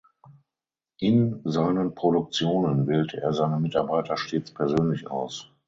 In seinen Produktionen wählte er seine Mitarbeiter stets persönlich aus.